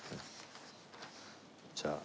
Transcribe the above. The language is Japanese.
じゃあ。